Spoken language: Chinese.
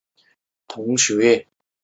冲绳县恩纳村出身。